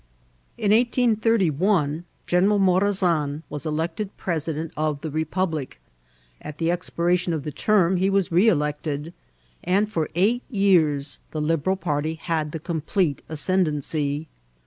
In 1831 General Morazan was elected president of the republic ; at the expiration of the term he was re elected ; and for eight years the Liberal party had the complete ascendancy.